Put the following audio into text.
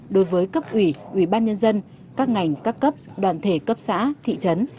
đối với cấp ủy ủy ban nhân dân các ngành các cấp đoàn thể cấp xã thị trấn